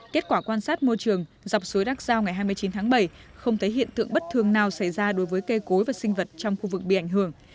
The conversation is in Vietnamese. kết quả quan sát môi trường dọc suối đắc giao ngày hai mươi chín tháng bảy không thấy hiện tượng bất thường nào xảy ra đối với cây cối và sinh vật trong khu vực bị ảnh hưởng